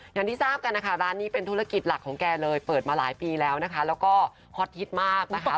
อย่างที่ทราบกันนะคะร้านนี้เป็นธุรกิจหลักของแกเลยเปิดมาหลายปีแล้วนะคะแล้วก็ฮอตฮิตมากนะคะ